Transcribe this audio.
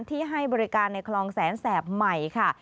ให้บริการในคลองแสนแสบใหม่ค่ะ